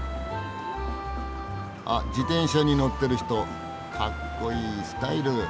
あっ自転車に乗ってる人かっこいいスタイル。